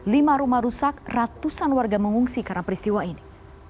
lima rumah rusak ratusan warga mengungsi karena peristiwa ini